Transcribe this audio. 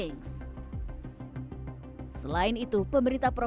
jangan lupa girikan utara